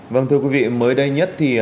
vâng thưa quý vị mới đây nhất thì